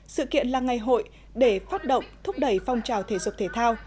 sự kiện là ngày hội để phát động thúc đẩy phong trào thể dục thể thao